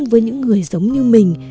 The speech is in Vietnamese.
với những người giống như mình